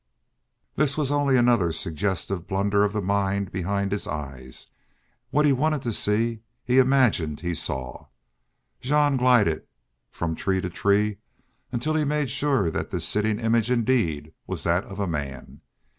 This was only another suggestive blunder of the mind behind his eyes what he wanted to see he imagined he saw. Jean glided on from tree to tree until he made sure that this sitting image indeed was that of a man.